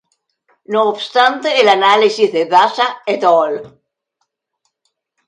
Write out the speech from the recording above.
No obstante, el análisis de Daza "et al.